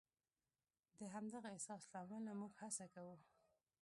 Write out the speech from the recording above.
د همدغه احساس له امله موږ هڅه کوو.